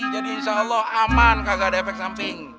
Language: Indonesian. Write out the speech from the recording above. jadi insya allah aman kagak ada efek samping